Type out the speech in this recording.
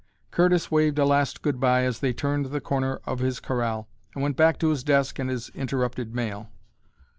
Curtis waved a last good bye as they turned the corner of his corral, and went back to his desk and his interrupted mail.